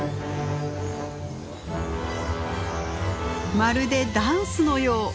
まるでダンスのよう。